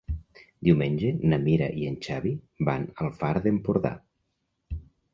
Diumenge na Mira i en Xavi van al Far d'Empordà.